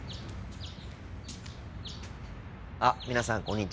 あ皆さんこんにちは。